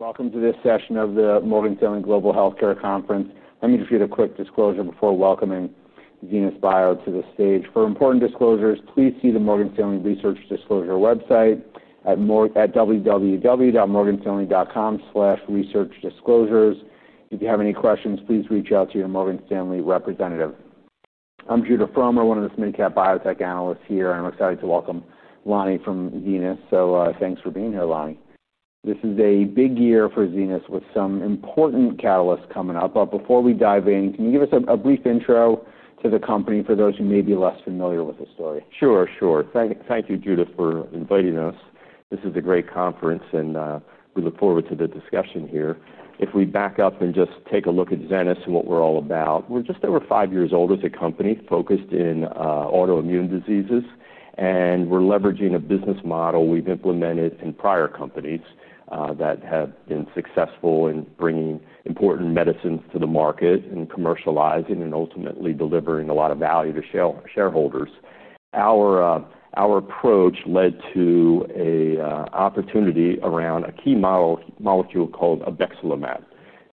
Welcome to this session of the Morgan Stanley Global Healthcare Conference. Let me read a quick disclosure before welcoming Zenas BioPharma to the stage. For important disclosures, please see the Morgan Stanley Research Disclosure website at www.morganstanley.com/researchdisclosures. If you have any questions, please reach out to your Morgan Stanley representative. I'm Judah Frommer, one of the Biotech analysts here, and I'm excited to welcome Lonnie Moulder from Zenas BioPharma. Thanks for being here, Lonnie. This is a big year for Zenas BioPharma with some important catalysts coming up. Before we dive in, can you give us a brief intro to the company for those who may be less familiar with the story? Sure, sure. Thank you, Judah, for inviting us. This is a great conference, and we look forward to the discussion here. If we back up and just take a look at Zenas BioPharma and what we're all about, we're just over five years old as a company focused in autoimmune diseases, and we're leveraging a business model we've implemented in prior companies that have been successful in bringing important medicines to the market and commercializing and ultimately delivering a lot of value to shareholders. Our approach led to an opportunity around a key model molecule called obexelimab.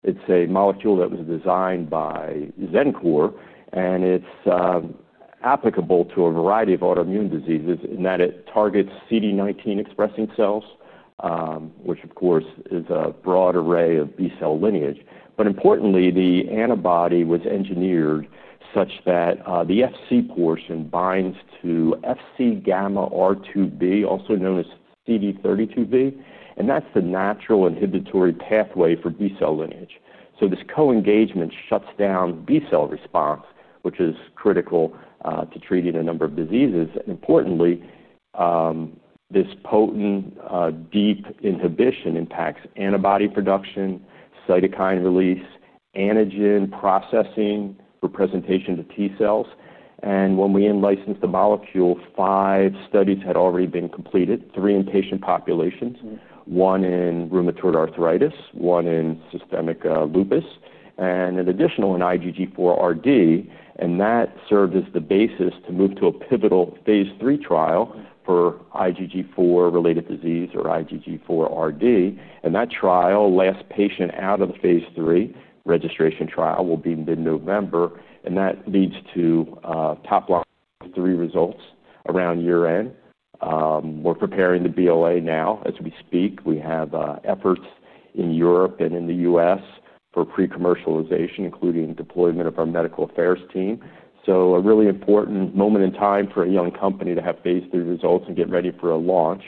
It's a molecule that was designed by Xencor, and it's applicable to a variety of autoimmune diseases in that it targets CD19-expressing cells, which, of course, is a broad array of B-cell lineage. Importantly, the antibody was engineered such that the Fc portion binds to Fc gamma R2b, also known as CD32b, and that's the natural inhibitory pathway for B-cell lineage. This co-engagement shuts down the B-cell response, which is critical to treating a number of diseases. Importantly, this potent deep inhibition impacts antibody production, cytokine release, antigen processing, and presentation to T cells. When we licensed the molecule, five studies had already been completed, three in patient populations, one in rheumatoid arthritis, one in systemic lupus erythematosus, and an additional in IgG4-related disease. That served as the basis to move to a pivotal Phase III trial for IgG4-related disease or IgG4RD. That trial last patient out of the Phase III registration trial will be mid-November, and that leads to top-line results around year end. We're preparing the BLA now as we speak. We have efforts in Europe and in the U.S. for pre-commercialization, including deployment of our medical affairs team. A really important moment in time for a young company to have Phase III results and get ready for a launch.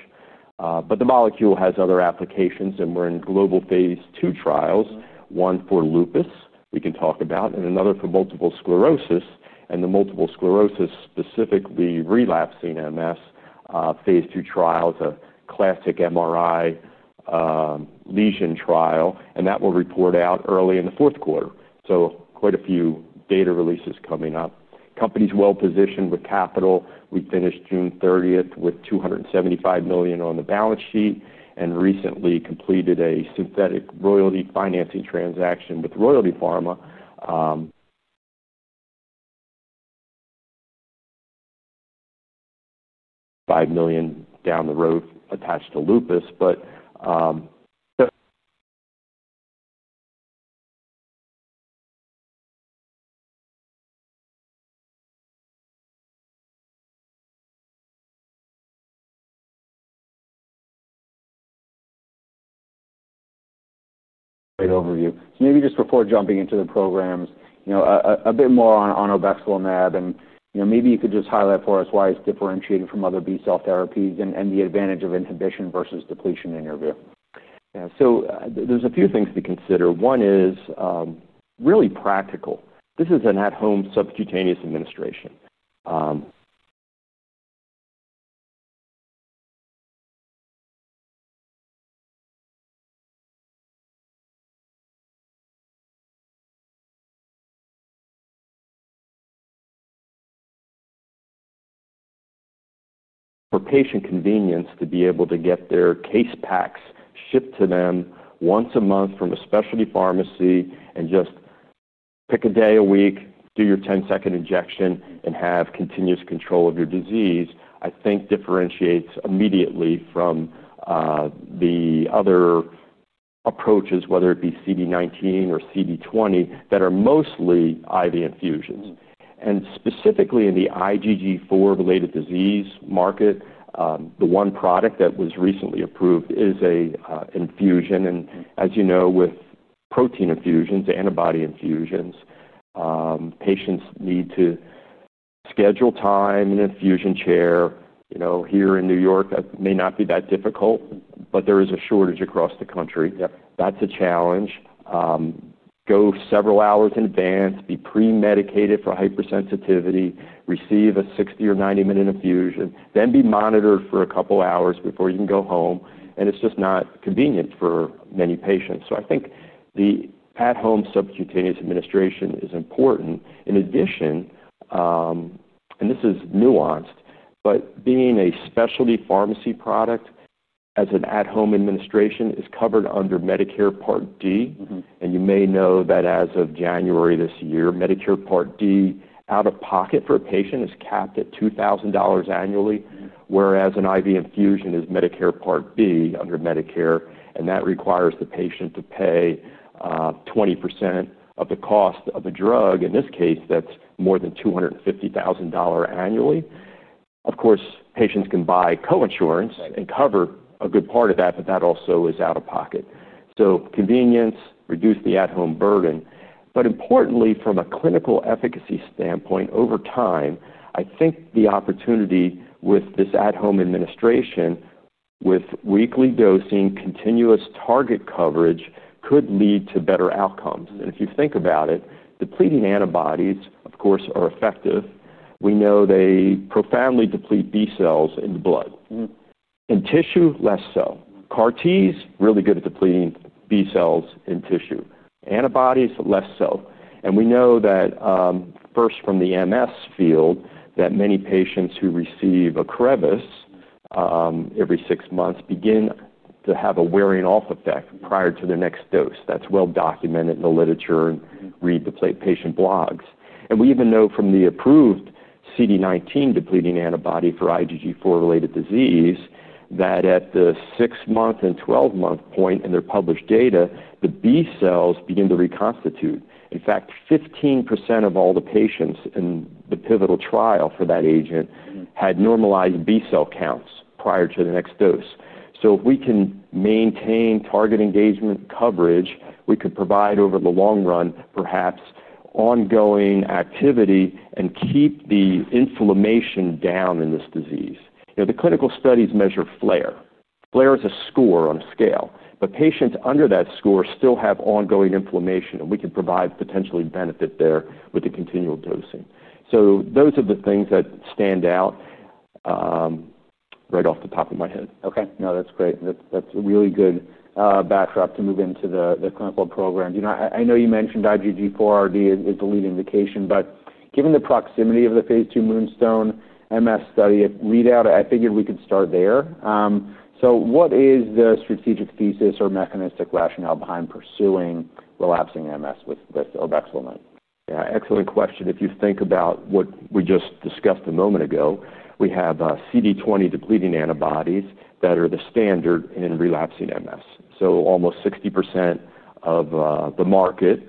The molecule has other applications, and we're in global Phase II trials, one for systemic lupus erythematosus we can talk about and another for multiple sclerosis. The multiple sclerosis, specifically relapsing multiple sclerosis, Phase II trial is a classic MRI lesion trial, and that will report out early in the fourth quarter. Quite a few data releases coming up. Company's well-positioned with capital. We finished June 30th with $275 million on the balance sheet and recently completed a synthetic royalty financing transaction with Royalty Pharma, $5 million down the road attached to lupus. A quick overview. Maybe just before jumping into the programs, a bit more on obexelimab, and maybe you could just highlight for us why it's differentiating from other B-cell therapies and the advantage of inhibition versus depletion in your view. Yeah. There are a few things to consider. One is really practical. This is an at-home subcutaneous administration. For patient convenience, to be able to get their case packs shipped to them once a month from a specialty pharmacy and just pick a day a week, do your 10-second injection, and have continuous control of your disease, I think differentiates immediately from the other approaches, whether it be CD19 or CD20, that are mostly IV infusions. Specifically in the IgG4-related disease market, the one product that was recently approved is an infusion. As you know, with protein infusions, antibody infusions, patients need to schedule time in an infusion chair. Here in New York, it may not be that difficult, but there is a shortage across the country. That is a challenge. Go several hours in advance, be premedicated for hypersensitivity, receive a 60 or 90-minute infusion, then be monitored for a couple of hours before you can go home. It is just not convenient for many patients. I think the at-home subcutaneous administration is important. In addition, and this is nuanced, being a specialty pharmacy product as an at-home administration is covered under Medicare Part D. You may know that as of January this year, Medicare Part D out-of-pocket for a patient is capped at $2,000 annually, whereas an IV infusion is Medicare Part B under Medicare. That requires the patient to pay 20% of the cost of the drug. In this case, that is more than $250,000 annually. Of course, patients can buy co-insurance and cover a good part of that, but that also is out of pocket. Convenience reduces the at-home burden. Importantly, from a clinical efficacy standpoint over time, I think the opportunity with this at-home administration, with weekly dosing, continuous target coverage, could lead to better outcomes. If you think about it, depleting antibodies, of course, are effective. We know they profoundly deplete B cells in the blood. In tissue, less so. CAR-Ts are really good at depleting B cells in tissue. Antibodies, less so. We know that, first from the MS field, that many patients who receive a KREVIS every six months begin to have a wearing-off effect prior to their next dose. That is well documented in the literature and read the patient blogs. We even know from the approved CD19-depleting antibody for IgG4-related disease that at the 6-month and 12-month point in their published data, the B cells begin to reconstitute. In fact, 15% of all the patients in the pivotal trial for that agent had normalized B cell counts prior to the next dose. If we can maintain target engagement coverage, we could provide over the long run, perhaps, ongoing activity and keep the inflammation down in this disease. The clinical studies measure flare. Flare is a score on a scale. Patients under that score still have ongoing inflammation, and we could provide potentially benefit there with the continual dosing. Those are the things that stand out right off the top of my head. Okay. No, that's great. That's a really good backdrop to move into the clinical program. I know you mentioned IgG4RD is the leading indication, but given the proximity of the Phase II Moonstone MS study readout, I figured we could start there. What is the strategic thesis or mechanistic rationale behind pursuing relapsing MS with obexelimab? Yeah, excellent question. If you think about what we just discussed a moment ago, we have CD20-depleting antibodies that are the standard in relapsing MS. Almost 60% of the market,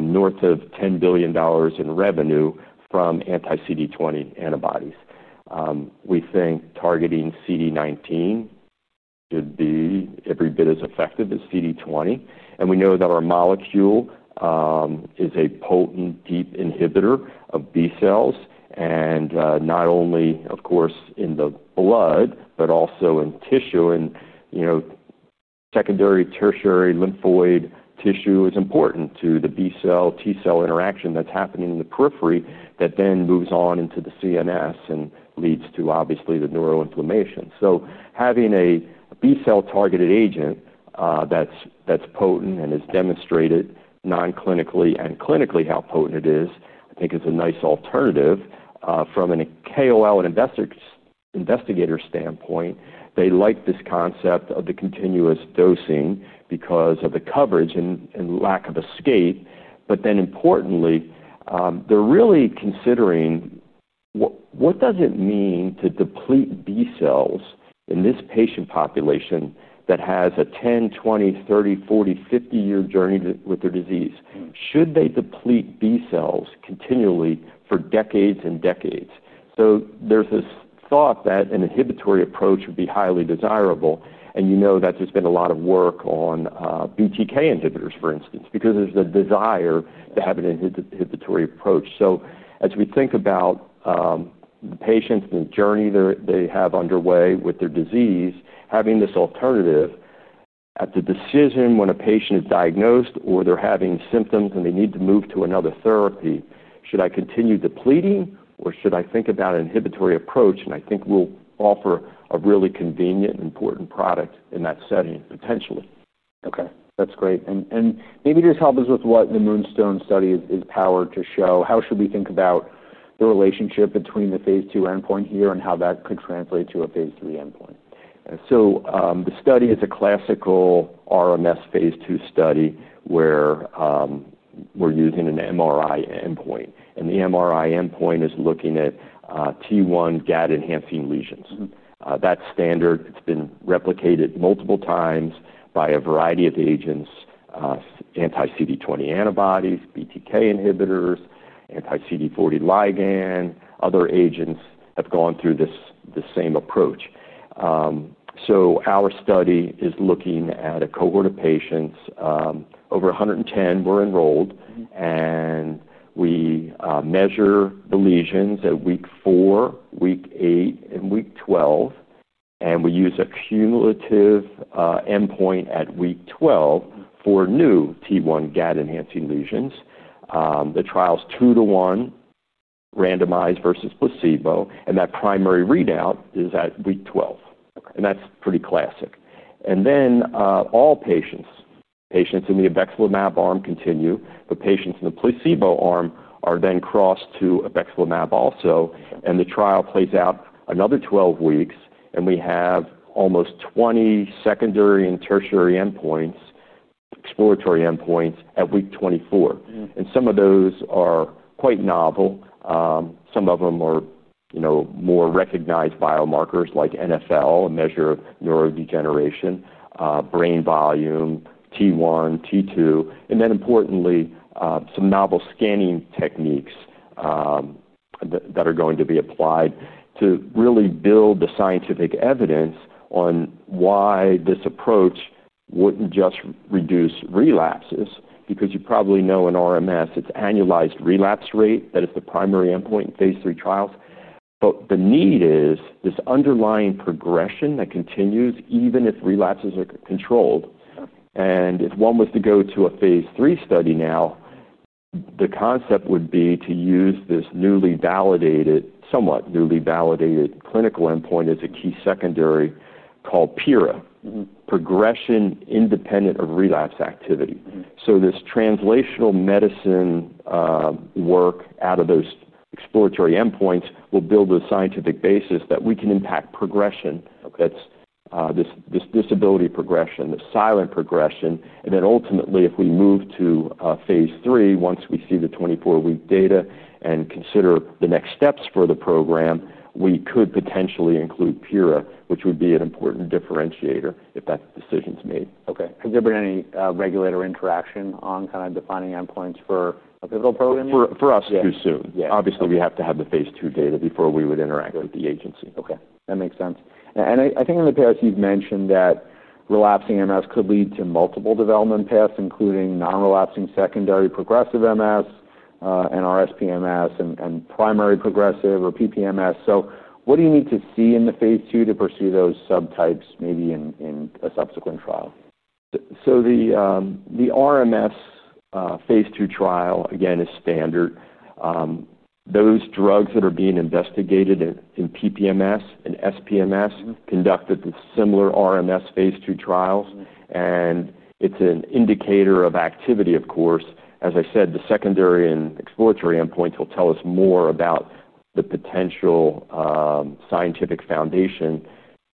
north of $10 billion in revenue from anti-CD20 antibodies. We think targeting CD19 should be every bit as effective as CD20. We know that our molecule is a potent deep inhibitor of B cells, and not only, of course, in the blood, but also in tissue. Secondary and tertiary lymphoid tissue is important to the B-cell-T-cell interaction that's happening in the periphery that then moves on into the CNS and leads to, obviously, the neuroinflammation. Having a B-cell-targeted agent that's potent and has demonstrated non-clinically and clinically how potent it is, I think is a nice alternative from a KOL and investigator standpoint. They like this concept of the continuous dosing because of the coverage and lack of escape. Importantly, they're really considering what does it mean to deplete B cells in this patient population that has a 10, 20, 30, 40, 50-year journey with their disease. Should they deplete B cells continually for decades and decades? There's this thought that an inhibitory approach would be highly desirable. You know that there's been a lot of work on BTK inhibitors, for instance, because there's a desire to have an inhibitory approach. As we think about the patients and the journey they have underway with their disease, having this alternative at the decision when a patient is diagnosed or they're having symptoms and they need to move to another therapy, should I continue depleting or should I think about an inhibitory approach? I think we'll offer a really convenient and important product in that setting potentially. Okay. That's great. Maybe just help us with what the Moonstone study is powered to show. How should we think about the relationship between the Phase II endpoint here and how that could translate to a Phase III endpoint? Yeah. The study is a classical RMS Phase II study where we're using an MRI endpoint. The MRI endpoint is looking at T1 GAD-enhancing lesions. That's standard. It's been replicated multiple times by a variety of agents, anti-CD20 antibodies, BTK inhibitors, anti-CD40 ligand. Other agents have gone through this same approach. Our study is looking at a cohort of patients. Over 110 were enrolled. We measure the lesions at week 4, week 8, and week 12. We use a cumulative endpoint at week 12 for new T1 GAD-enhancing lesions. The trial's two to one, randomized versus placebo. That primary readout is at week 12. That's pretty classic. All patients in the obexelimab arm continue, but patients in the placebo arm are then crossed to obexelimab also. The trial plays out another 12 weeks. We have almost 20 secondary and tertiary endpoints, exploratory endpoints at week 24. Some of those are quite novel. Some of them are more recognized biomarkers like NFL, a measure of neurodegeneration, brain volume, T1, T2. Importantly, some novel scanning techniques are going to be applied to really build the scientific evidence on why this approach wouldn't just reduce relapses. You probably know in RMS, it's annualized relapse rate that is the primary endpoint in Phase III trials. The need is this underlying progression that continues even if relapses are controlled. If one was to go to a Phase III study now, the concept would be to use this newly validated, somewhat newly validated clinical endpoint as a key secondary called PIRA, progression independent of relapse activity. This translational medicine work out of those exploratory endpoints will build a scientific basis that we can impact progression. That's this disability progression, the silent progression. Ultimately, if we move to Phase III, once we see the 24-week data and consider the next steps for the program, we could potentially include PIRA, which would be an important differentiator if that decision is made. Okay. Has there been any regulatory interaction on kind of defining endpoints for a pivotal program yet? For us, too soon. Yeah, obviously, we have to have the Phase II data before we would interact with the agency. Okay. That makes sense. I think in the past, you've mentioned that relapsing multiple sclerosis could lead to multiple development paths, including non-relapsing secondary progressive multiple sclerosis and RSPMS and primary progressive or PPMS. What do you need to see in the Phase II to pursue those subtypes maybe in a subsequent trial? The RMS Phase II trial, again, is standard. Those drugs that are being investigated in PPMS and SPMS are conducted with similar RMS Phase II trials. It's an indicator of activity, of course. As I said, the secondary and exploratory endpoints will tell us more about the potential scientific foundation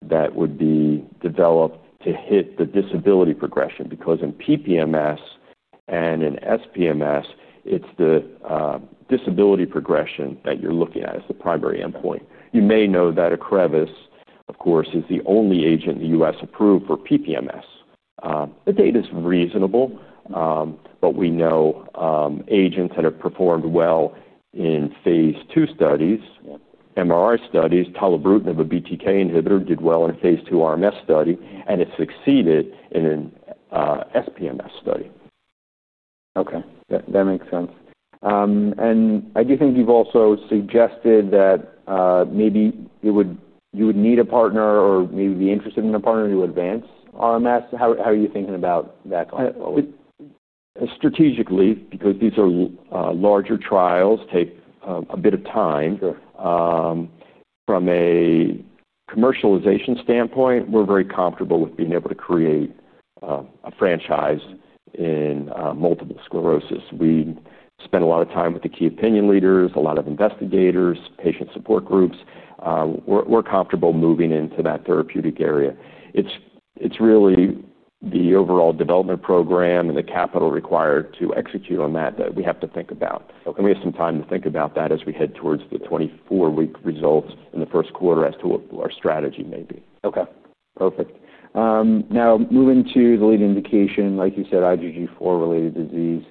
that would be developed to hit the disability progression. In PPMS and in SPMS, it's the disability progression that you're looking at as the primary endpoint. You may know that OCREVUS, of course, is the only agent in the U.S. approved for PPMS. The data is reasonable. We know agents that have performed well in Phase II studies, MRI studies, tolerant of a BTK inhibitor did well in a Phase II RMS study, and it succeeded in an SPMS study. Okay. That makes sense. I do think you've also suggested that maybe you would need a partner or maybe be interested in a partner to advance RMS. How are you thinking about that going forward? Strategically, because these are larger trials, take a bit of time. From a commercialization standpoint, we're very comfortable with being able to create a franchise in multiple sclerosis. We spend a lot of time with the key opinion leaders, a lot of investigators, patient support groups. We're comfortable moving into that therapeutic area. It's really the overall development program and the capital required to execute on that that we have to think about. We have some time to think about that as we head towards the 24-week results in the first quarter as to what our strategy may be. Okay. Perfect. Now, moving to the leading indication, like you said, IgG4-related disease.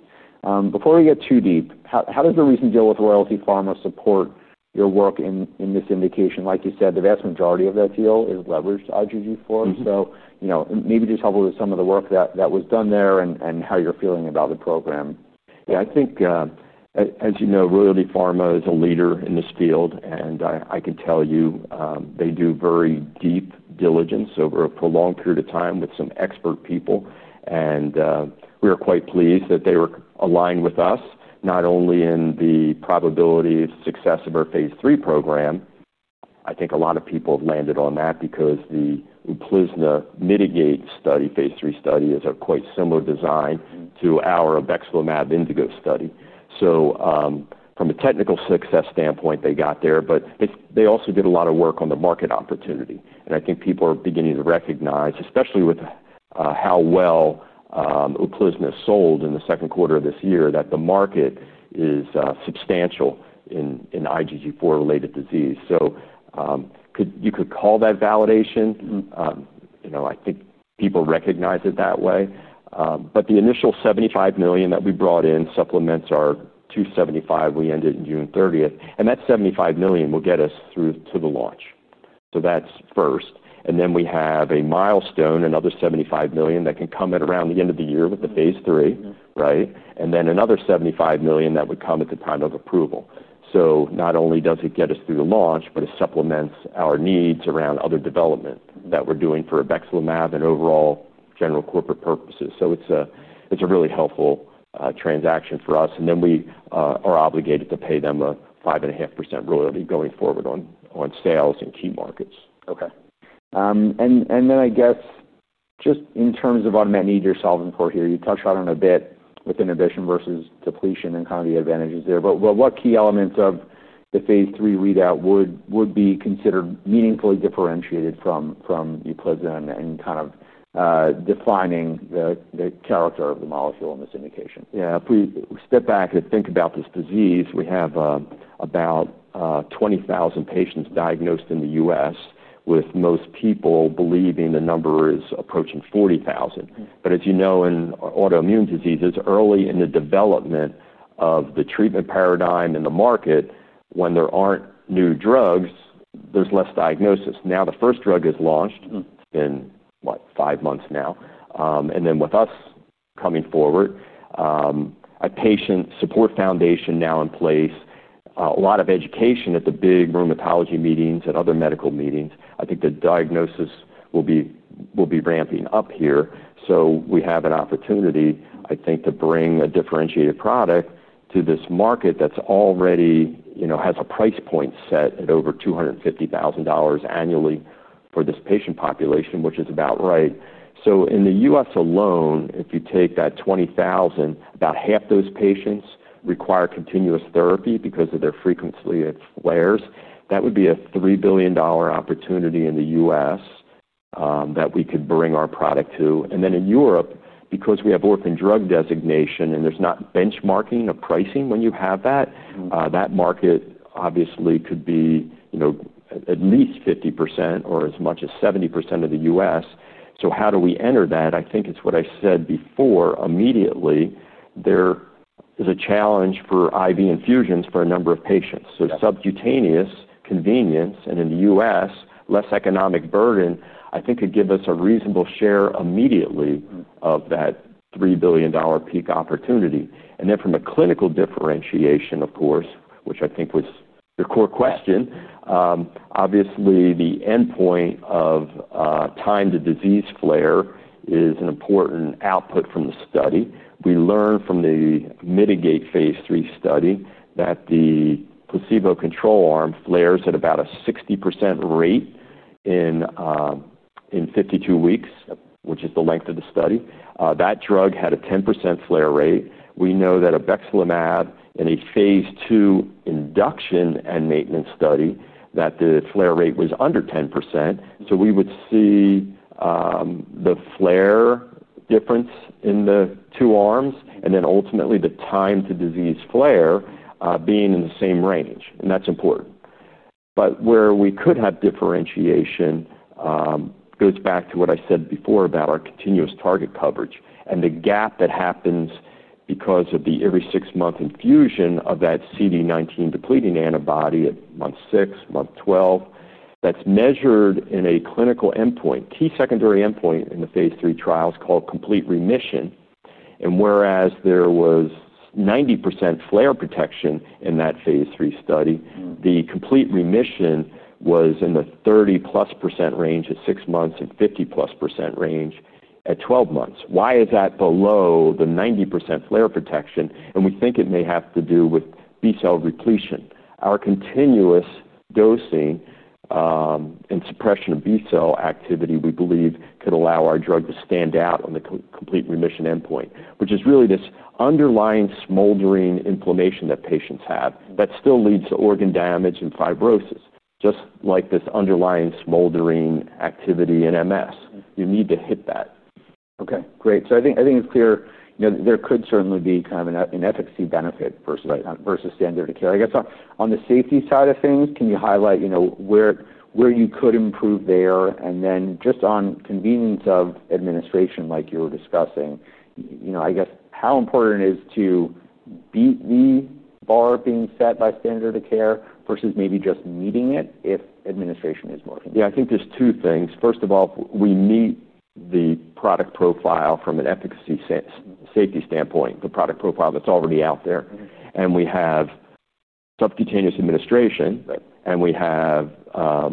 Before we get too deep, how does the recent deal with Royalty Pharma support your work in this indication? Like you said, the vast majority of that deal is leveraged to IgG4. Maybe just help with some of the work that was done there and how you're feeling about the program. Yeah. I think, as you know, Royalty Pharma is a leader in this field. I can tell you they do very deep diligence over a prolonged period of time with some expert people. We are quite pleased that they were aligned with us, not only in the probability of success of our Phase III program. I think a lot of people have landed on that because the Uplizna Mitigate study, Phase III study, is a quite similar design to our obexelimab Indigo study. From a technical success standpoint, they got there. They also did a lot of work on the market opportunity. I think people are beginning to recognize, especially with how well Uplizna sold in the second quarter of this year, that the market is substantial in IgG4-related disease. You could call that validation. I think people recognize it that way. The initial $75 million that we brought in supplements our $275 million we ended on June 30. That $75 million will get us through to the launch. That's first. We have a milestone, another $75 million that can come at around the end of the year with the Phase III, right? Another $75 million would come at the time of approval. Not only does it get us through the launch, it supplements our needs around other development that we're doing for obexelimab and overall general corporate purposes. It's a really helpful transaction for us. We are obligated to pay them a 5.5% royalty going forward on sales in key markets. Okay. I guess just in terms of automatic need you're solving for here, you touched on it a bit with inhibition versus depletion and the advantages there. What key element of the Phase III readout would be considered meaningfully differentiated from Luplizna and defining the character of the molecule in this indication? Yeah. If we step back and think about this disease, we have about 20,000 patients diagnosed in the U.S., with most people believing the number is approaching 40,000. As you know, in autoimmune diseases, early in the development of the treatment paradigm in the market, when there aren't new drugs, there's less diagnosis. Now the first drug is launched. It's been like five months now. With us coming forward, a patient support foundation now in place, a lot of education at the big rheumatology meetings and other medical meetings, I think the diagnosis will be ramping up here. We have an opportunity, I think, to bring a differentiated product to this market that already has a price point set at over $250,000 annually for this patient population, which is about right. In the U.S. alone, if you take that 20,000, about half those patients require continuous therapy because of their frequency of flares. That would be a $3 billion opportunity in the U.S. that we could bring our product to. In Europe, because we have work in drug designation and there's not benchmarking of pricing when you have that, that market obviously could be at least 50% or as much as 70% of the U.S. How do we enter that? I think it's what I said before. Immediately, there is a challenge for IV infusions for a number of patients. Subcutaneous convenience and in the U.S., less economic burden, I think could give us a reasonable share immediately of that $3 billion peak opportunity. From a clinical differentiation, of course, which I think was your core question, obviously, the endpoint of time to disease flare is an important output from the study. We learned from the Mitigate Phase III study that the placebo control arm flares at about a 60% rate in 52 weeks, which is the length of the study. That drug had a 10% flare rate. We know that obexelimab in a Phase II induction and maintenance study that the flare rate was under 10%. We would see the flare difference in the two arms and ultimately the time to disease flare being in the same range, and that's important. Where we could have differentiation goes back to what I said before about our continuous target coverage and the gap that happens because of the every six-month infusion of that CD19-depleting antibody at month 6, month 12. That's measured in a clinical endpoint, key secondary endpoint in the Phase III trials called complete remission. Whereas there was 90% flare protection in that Phase III study, the complete remission was in the 30+% range at six months and 50+% range at 12 months. Why is that below the 90% flare protection? We think it may have to do with B-cell repletion. Our continuous dosing and suppression of B-cell activity, we believe, could allow our drug to stand out on the complete remission endpoint, which is really this underlying smoldering inflammation that patients have that still leads to organ damage and fibrosis, just like this underlying smoldering activity in MS. You need to hit that. Okay. Great. I think it's clear that there could certainly be kind of an efficacy benefit versus standard of care. On the safety side of things, can you highlight where you could improve there? Just on convenience of administration, like you were discussing, how important is it to beat the bar being set by standard of care versus maybe just meeting it if administration is more efficient? Yeah. I think there's two things. First of all, we meet the product profile from an efficacy, safety standpoint, the product profile that's already out there. We have subcutaneous administration, and we have a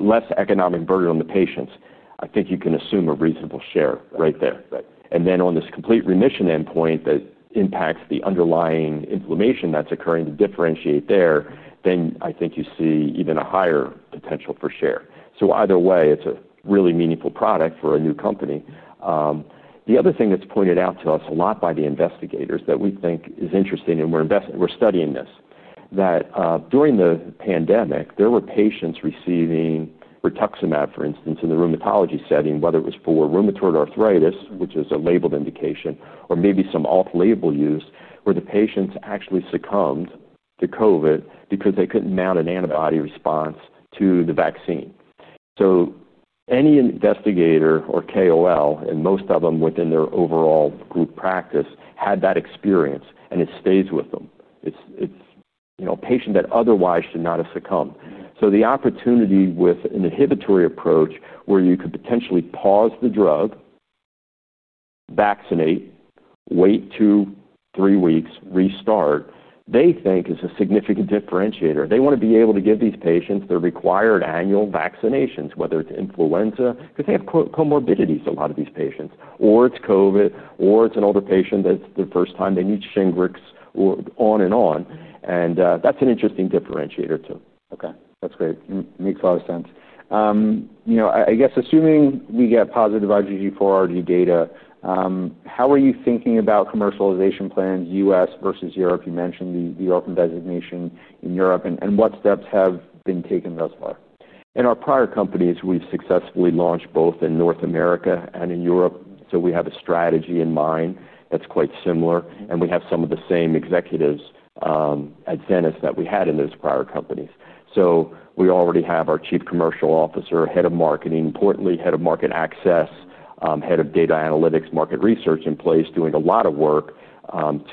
less economic burden on the patients. I think you can assume a reasonable share right there. On this complete remission endpoint that impacts the underlying inflammation that's occurring to differentiate there, I think you see even a higher potential for share. Either way, it's a really meaningful product for a new company. The other thing that's pointed out to us a lot by the investigators that we think is interesting, and we're studying this, is that during the pandemic, there were patients receiving rituximab, for instance, in the rheumatology setting, whether it was for rheumatoid arthritis, which is a labeled indication, or maybe some off-label use where the patients actually succumbed to COVID because they couldn't mount an antibody response to the vaccine. Any investigator or KOL, and most of them within their overall group practice, had that experience, and it stays with them. It's a patient that otherwise should not have succumbed. The opportunity with an inhibitory approach where you could potentially pause the drug, vaccinate, wait two, three weeks, restart, they think is a significant differentiator. They want to be able to give these patients their required annual vaccinations, whether it's influenza, because they have comorbidities, a lot of these patients, or it's COVID, or it's an older patient that's the first time they need Shingrix, or on and on. That's an interesting differentiator too. Okay. That's great. Makes a lot of sense. I guess assuming we get positive IgG4RD data, how are you thinking about commercialization plans, US versus Europe? You mentioned the open designation in Europe. What steps have been taken thus far? In our prior companies, we've successfully launched both in North America and in Europe. We have a strategy in mind that's quite similar, and we have some of the same executives at Zenas BioPharma that we had in those prior companies. We already have our Chief Commercial Officer, Head of Marketing, importantly, Head of Market Access, Head of Data Analytics, and Market Research in place, doing a lot of work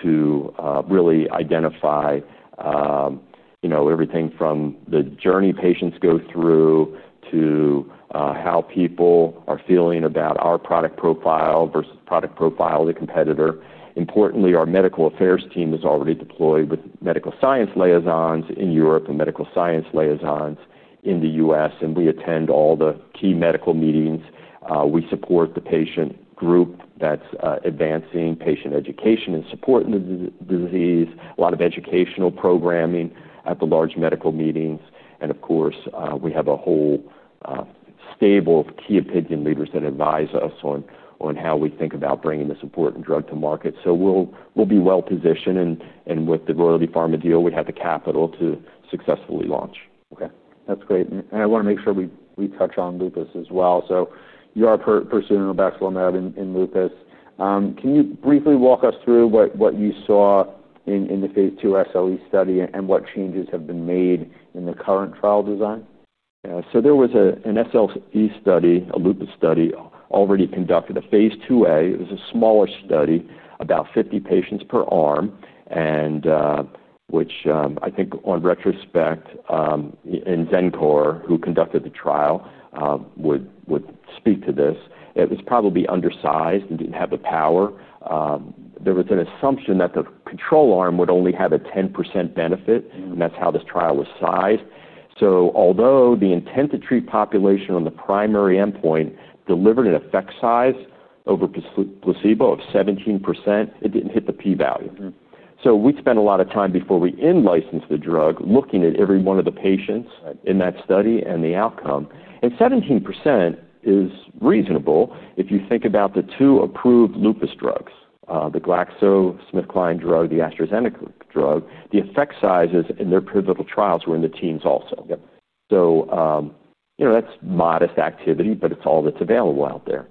to really identify everything from the journey patients go through to how people are feeling about our product profile versus product profile of the competitor. Importantly, our Medical Affairs team is already deployed with Medical Science Liaisons in Europe and Medical Science Liaisons in the U.S. We attend all the key medical meetings. We support the patient group that's advancing patient education and supporting the disease, with a lot of educational programming at the large medical meetings. We have a whole stable of key opinion leaders that advise us on how we think about bringing this important drug to market. We will be well positioned. With the Royalty Pharma deal, we have the capital to successfully launch. Okay. That's great. I want to make sure we touch on lupus as well. You are pursuing obexelimab in lupus. Can you briefly walk us through what you saw in the Phase II SLE study and what changes have been made in the current trial design? Yeah. There was an SLE study, a lupus study already conducted, a Phase IIa. It was a smaller study, about 50 patients per arm, which I think on retrospect, and Xencor, who conducted the trial, would speak to this. It was probably undersized and didn't have the power. There was an assumption that the control arm would only have a 10% benefit, and that's how this trial was sized. Although the intent to treat population on the primary endpoint delivered an effect size over placebo of 17%, it didn't hit the P-value. We spent a lot of time before we in-licensed the drug looking at every one of the patients in that study and the outcome. 17% is reasonable if you think about the two approved lupus drugs, the GlaxoSmithKline drug, the AstraZeneca drug. The effect sizes in their pivotal trials were in the teens also. Yep. That's modest activity, but it's all that's available out there.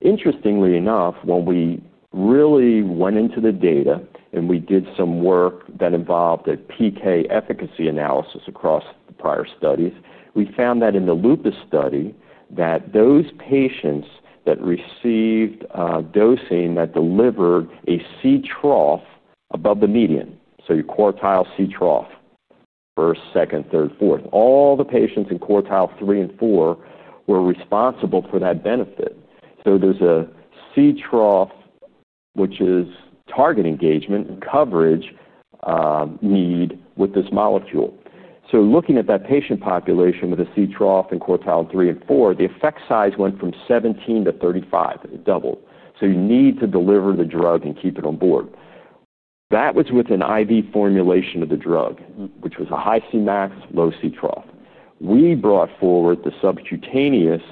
Interestingly enough, when we really went into the data and we did some work that involved a PK efficacy analysis across the prior studies, we found that in the lupus study, those patients that received dosing that delivered a C trough above the median, so your quartile C trough, first, second, third, fourth, all the patients in quartile three and four were responsible for that benefit. There's a C trough, which is target engagement and coverage need with this molecule. Looking at that patient population with a C trough in quartile three and four, the effect size went from 17% to 35%. It doubled. You need to deliver the drug and keep it on board. That was with an IV formulation of the drug, which was a high C max, low C trough. We brought forward the subcutaneous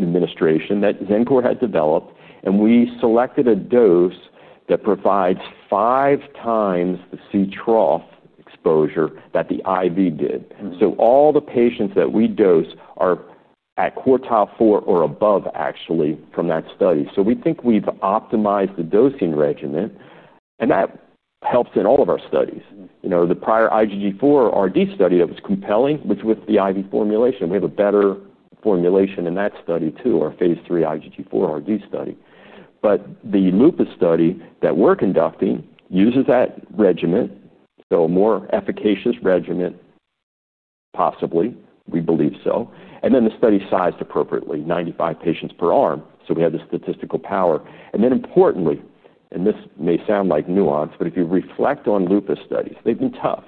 administration that Xencor had developed, and we selected a dose that provides five times the C trough exposure that the IV did. All the patients that we dose are at quartile four or above, actually, from that study. We think we've optimized the dosing regimen. That helps in all of our studies. The prior IgG4RD study that was compelling was with the IV formulation. We have a better formulation in that study too, our Phase III IgG4RD study. The lupus study that we're conducting uses that regimen, so a more efficacious regimen possibly. We believe so. The study is sized appropriately, 95 patients per arm. We have the statistical power. Importantly, and this may sound like nuance, if you reflect on lupus studies, they've been tough.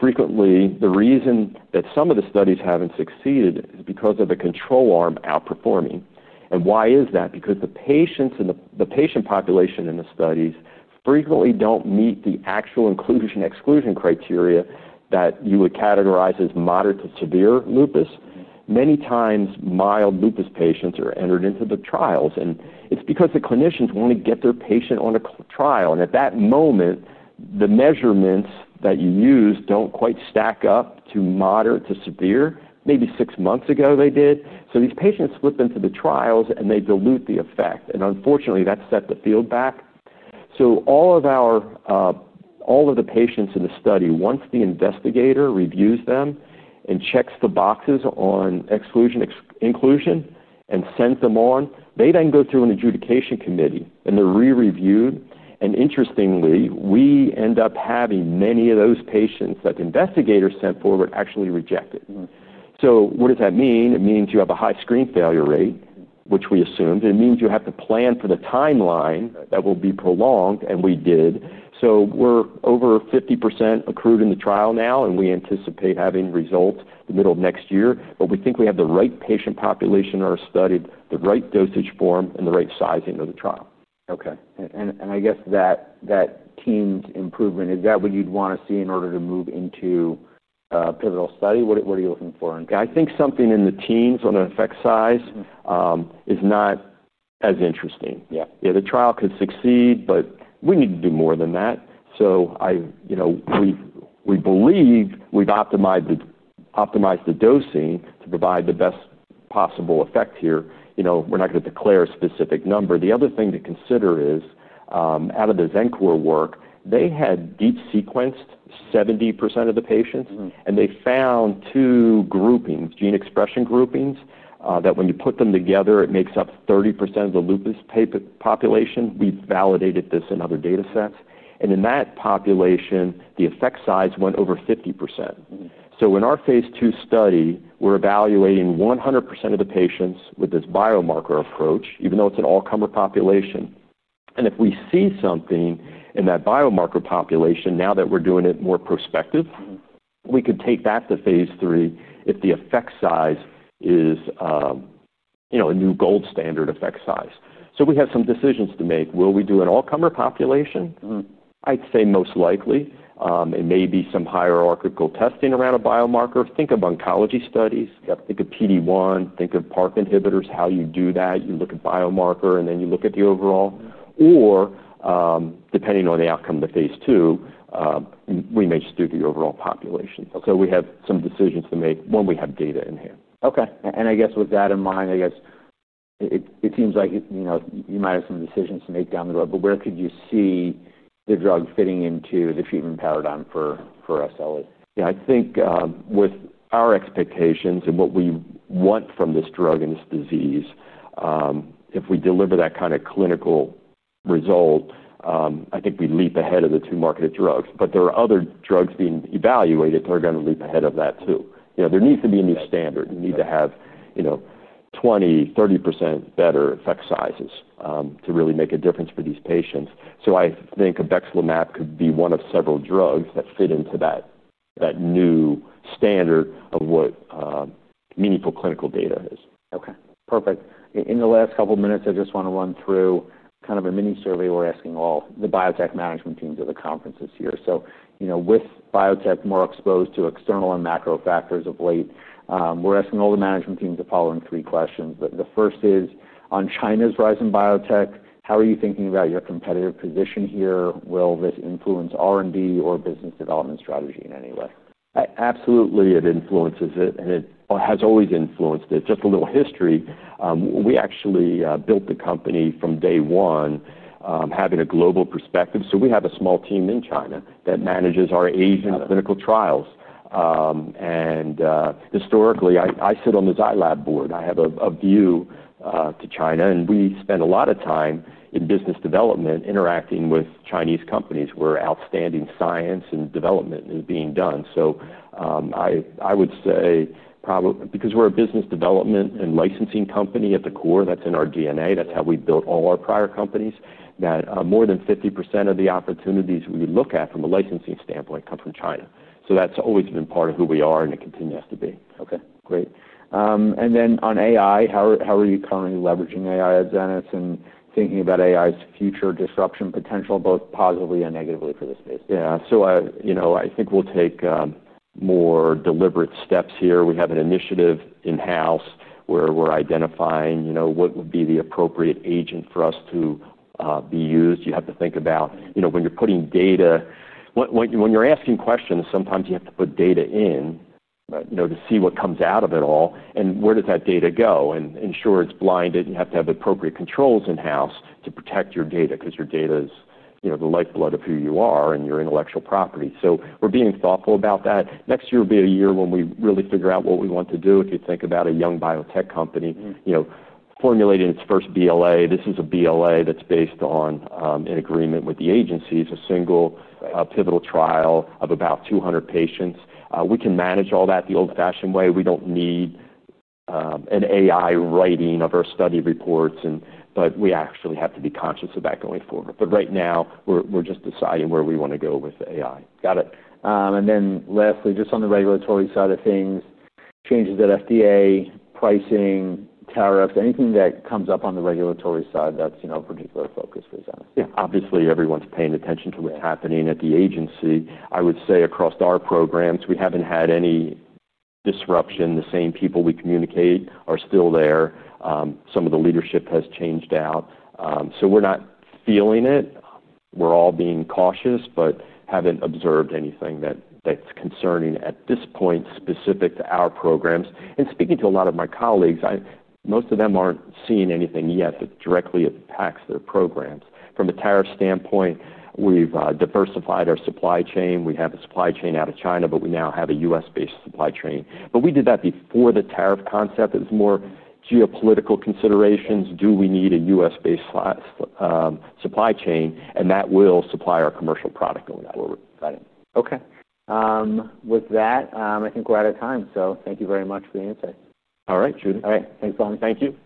Frequently, the reason that some of the studies haven't succeeded is because of the control arm outperforming. Why is that? The patients and the patient population in the studies frequently don't meet the actual inclusion-exclusion criteria that you would categorize as moderate to severe lupus. Many times, mild lupus patients are entered into the trials. It's because the clinicians want to get their patient on a trial. At that moment, the measurements that you use don't quite stack up to moderate to severe. Maybe six months ago, they did. These patients slip into the trials and they dilute the effect. Unfortunately, that set the field back. All of the patients in the study, once the investigator reviews them and checks the boxes on exclusion-inclusion and sends them on, then go through an adjudication committee, and they're re-reviewed. Interestingly, we end up having many of those patients that the investigators sent forward actually rejected. What does that mean? It means you have a high screen failure rate, which we assumed. It means you have to plan for the timeline that will be prolonged, and we did. We're over 50% accrued in the trial now, and we anticipate having results the middle of next year. We think we have the right patient population in our study, the right dosage form, and the right sizing of the trial. Okay. I guess that that teens improvement, is that what you'd want to see in order to move into a pivotal study? What are you looking for? Yeah. I think something in the teens on the effect size is not as interesting. Yeah, the trial could succeed, but we need to do more than that. We believe we've optimized the dosing to provide the best possible effect here. We're not going to declare a specific number. The other thing to consider is, out of the Xencor work, they had each sequenced 70% of the patients, and they found two groupings, gene expression groupings, that when you put them together, it makes up 30% of the lupus population. We've validated this in other data sets. In that population, the effect size went over 50%. In our Phase II study, we're evaluating 100% of the patients with this biomarker approach, even though it's an all-comer population. If we see something in that biomarker population, now that we're doing it more prospective, we could take back to Phase III if the effect size is a new gold standard effect size. We have some decisions to make. Will we do an all-comer population? I'd say most likely. It may be some hierarchical testing around a biomarker. Think of oncology studies. Think of PD-1. Think of PARP inhibitors, how you do that. You look at biomarker, and then you look at the overall. Depending on the outcome of the Phase II, we may just do the overall population. We have some decisions to make when we have data in hand. Okay. With that in mind, it seems like you might have some decisions to make down the road, but where could you see the drug fitting into the treatment paradigm for SLE? Yeah. I think, with our expectations and what we want from this drug and this disease, if we deliver that kind of clinical result, I think we'd leap ahead of the two marketed drugs. There are other drugs being evaluated that are going to leap ahead of that too. There needs to be a new standard. You need to have, you know, 20%, 30% better effect sizes to really make a difference for these patients. I think obexelimab could be one of several drugs that fit into that new standard of what meaningful clinical data is. Okay. Perfect. In the last couple of minutes, I just want to run through kind of a mini survey. We're asking all the biotech management teams at the conferences here. With biotech more exposed to external and macro factors of late, we're asking all the management teams to follow in three questions. The first is on China's rise in biotech, how are you thinking about your competitive position here? Will this influence R&D or business development strategy in any way? Absolutely, it influences it. It has always influenced it. Just a little history. We actually built the company from day one, having a global perspective. We have a small team in China that manages our Asian clinical trials. Historically, I sit on the Zai Lab board. I have a view to China. We spend a lot of time in business development interacting with Chinese companies where outstanding science and development is being done. I would say probably because we're a business development and licensing company at the core, that's in our DNA. That's how we built all our prior companies, that more than 50% of the opportunities we look at from a licensing standpoint come from China. That's always been part of who we are, and it continues to be. Great. On AI, how are you currently leveraging AI at Zenas BioPharma and thinking about AI's future disruption potential, both positively and negatively for this space? Yeah. I think we'll take more deliberate steps here. We have an initiative in-house where we're identifying what would be the appropriate agent for us to be used. You have to think about when you're putting data, when you're asking questions, sometimes you have to put data in, right, to see what comes out of it all. Where does that data go? Ensure it's blinded. You have to have appropriate controls in-house to protect your data because your data is the lifeblood of who you are and your intellectual property. We're being thoughtful about that. Next year will be a year when we really figure out what we want to do. If you think about a young biotech company formulating its first BLA, this is a BLA that's based on an agreement with the agencies, a single pivotal trial of about 200 patients. We can manage all that the old-fashioned way. We don't need AI writing of our study reports. We actually have to be conscious of that going forward. Right now, we're just deciding where we want to go with AI. Got it. Lastly, just on the regulatory side of things, changes at FDA, pricing, tariff, anything that comes up on the regulatory side that's a particular focus for Zenas? Yeah. Obviously, everyone's paying attention to what's happening at the agency. I would say across our programs, we haven't had any disruption. The same people we communicate with are still there. Some of the leadership has changed out. We're not feeling it. We're all being cautious, but haven't observed anything that's concerning at this point specific to our programs. Speaking to a lot of my colleagues, most of them aren't seeing anything yet that directly impacts their programs. From a tariff standpoint, we've diversified our supply chain. We have a supply chain out of China, but we now have a U.S.-based supply chain. We did that before the tariff concept. It was more geopolitical considerations. Do we need a U.S.-based supply chain? That will supply our commercial product going forward. Got it. Okay. With that, I think we're out of time. Thank you very much for your insight. All right, Judah. All right. Thanks, Lonnie. Thank you.